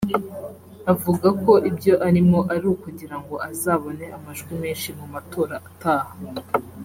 avuga ko ibyo arimo ari ukugirango azabone amajwi menshi mu matora ataha